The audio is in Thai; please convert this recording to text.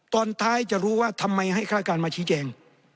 ตอนท้ายจะรู้ว่าทำไมให้ฆาตการมาชี้แจง